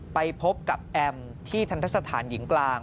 ไปพบกับแอมที่ทันทสถานหญิงกลาง